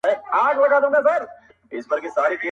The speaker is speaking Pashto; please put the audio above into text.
• دا د روپیو تاوان څۀ ته وایي ,